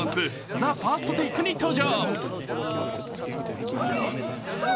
「ＴＨＥＦＩＲＳＴＴＡＫＥ」に登場。